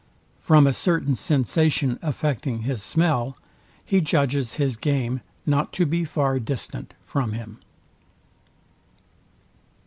From a certain sensation affecting his smell, he judges his game not to be far distant from him.